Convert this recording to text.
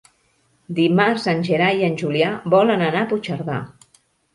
Dimarts en Gerai i en Julià volen anar a Puigcerdà.